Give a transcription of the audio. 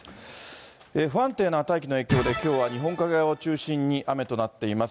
不安定な大気の影響で、きょうは日本海側を中心に雨となっています。